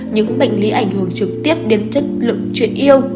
những bệnh lý ảnh hưởng trực tiếp đến chất lượng chuyện yêu